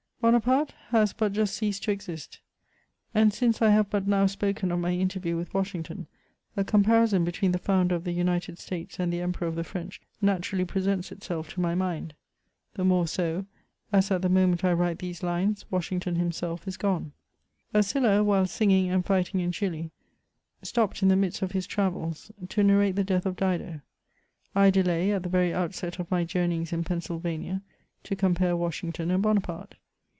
BoNAPABTE has but just ceased to exist ; and since I have but now spoken of my interview with Washington, a comparison between the founder of the United States and the Emperor of the French naturally presents itself to my mind ; the more so, as at the mo ment I write these Unes Washington himself is gone. Ercilla* while singing and fighting in Chili, stopped in the midst of his travels to narrate the death of Dido ; I delay at the very outset of my joumeyings in Pensylvauia to compare Washington and Bonaparte.